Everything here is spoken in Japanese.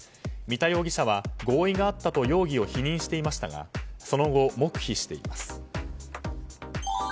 三田容疑者は合意があったと容疑を否認していましたがその後、黙秘しています。